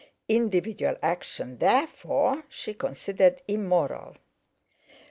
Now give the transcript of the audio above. Individual action, therefore, she considered immoral.